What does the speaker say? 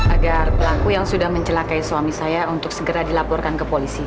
agar pelaku yang sudah mencelakai suami saya untuk segera dilaporkan ke polisi